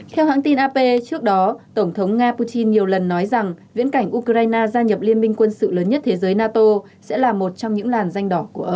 theo hãng tin ap trước đó tổng thống nga putin nhiều lần nói rằng viễn cảnh ukraine gia nhập liên minh quân sự lớn nhất thế giới nato sẽ là một trong những làn danh đỏ của eu